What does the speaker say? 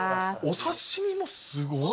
お刺し身もすごい。